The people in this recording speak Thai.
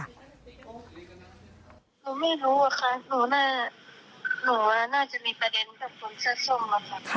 หนูไม่รู้ค่ะหนูว่าน่าจะมีประเด็นกับคนซ่อส้มค่ะ